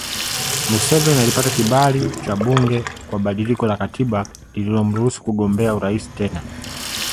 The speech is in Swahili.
Museveni alipata kibali cha bunge kwa badiliko la katiba lililomruhusu kugombea urais tena